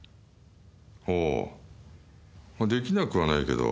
ほう出来なくはないけど。